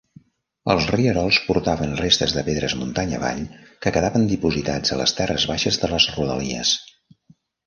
Els rierols portaven restes de pedres muntanya avall que quedaven dipositats a les terres baixes de les rodalies.